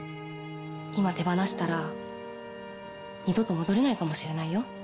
今手放したら二度と戻れないかもしれないよ？